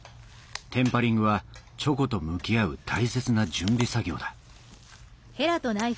テンパリングはチョコと向き合う大切な準備作業だ